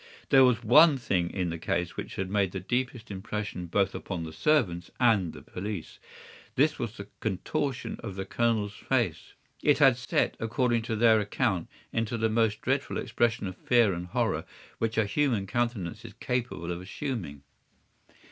"There was one thing in the case which had made the deepest impression both upon the servants and the police. This was the contortion of the Colonel's face. It had set, according to their account, into the most dreadful expression of fear and horror which a human countenance is capable of assuming.